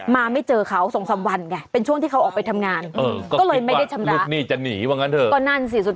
มาไม่เจอเขา๒๓วันไงเป็นช่วงที่เขาออกไปทำงาน